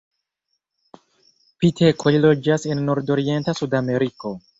Pitekoj loĝas en nordorienta Sudameriko.